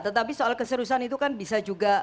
tetapi soal keseriusan itu kan bisa juga